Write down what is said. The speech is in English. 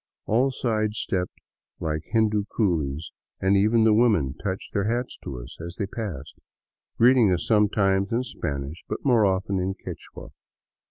All sidestepped like Hindu coolies and even the women touched their hats to us as they passed, greeting us sometimes in Spanish, but more often in Quichua.